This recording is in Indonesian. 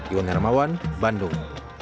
iwan hermawan bandung